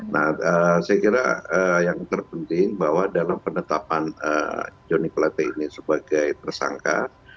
nah saya kira yang terpenting bahwa dalam penetapan johnny pelate ini sebagai tersangka